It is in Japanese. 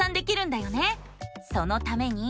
そのために。